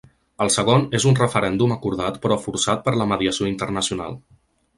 El segon és un referèndum acordat però forçat per la mediació internacional.